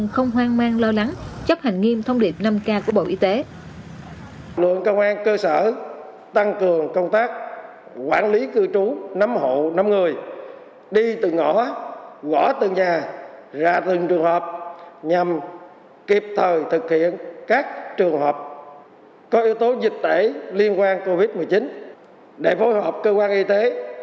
không hoang mang lo lắng chấp hành nghiêm thông điệp năm k của bộ y tế